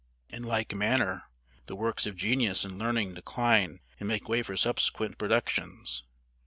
In like manner, the works of genius and learning decline and make way for subsequent productions.